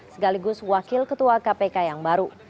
segaligus wakil ketua kpk yang baru